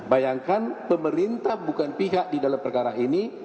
bayangkan pemerintah bukan pihak di dalam perkara ini